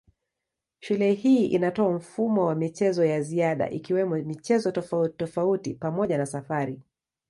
Shule hii inatoa mfumo wa michezo ya ziada ikiwemo michezo tofautitofauti pamoja na safari.